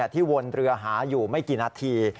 ที่วนเรือหาอยู่ไม่กี่นาที